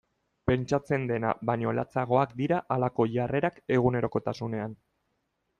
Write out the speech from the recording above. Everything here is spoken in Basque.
Pentsatzen dena baino latzagoak dira halako jarrerak egunerokotasunean.